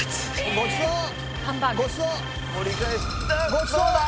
ごちそうだ！